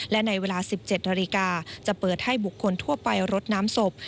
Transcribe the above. และในเวลา๑๗นาฬิกาจะเปิดให้บุคคลทั่วไปรดน้ำศพ